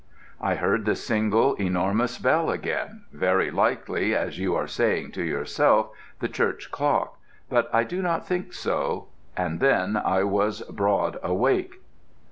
I heard the single enormous bell again very likely, as you are saying to yourself, the church clock; but I do not think so and then I was broad awake.